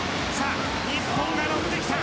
日本が乗ってきた。